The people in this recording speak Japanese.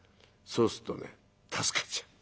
そうすっとね助かっちゃう。